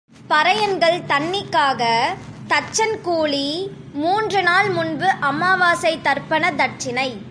பறையன்கள் தண்ணிக்காக... தச்சன் கூலி... மூன்று நாள் முன்பு அமாவாசை தர்ப்பண தட்சினை.